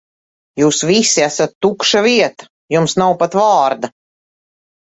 Jūs visi esat tukša vieta, jums nav pat vārda.